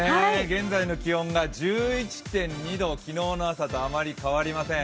現在の気温が１１．２度、昨日の朝とあまり変わりません。